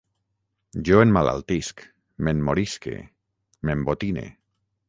Jo emmalaltisc, m'emmorisque, m'embotine